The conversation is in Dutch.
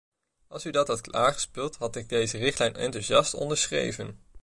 Als u dat had klaargespeeld, had ik deze richtlijn enthousiast onderschreven.